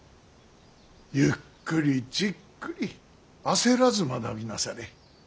ゆっくりじっくり焦らず学びなされ。